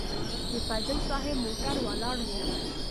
د فضل صاحب موټر ولاړ و.